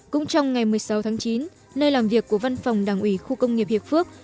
cũng trong ngày một mươi sáu tháng chín nơi làm việc của văn phòng đảng ủy khu công nghiệp hiệp phước